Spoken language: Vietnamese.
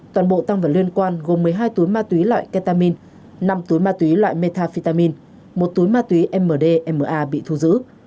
toàn bộ tăng vật liên quan gồm một mươi hai túi ma túy loại ketamine năm túi ma túy loại metafetamin một túi ma túy mdma bị thu giữ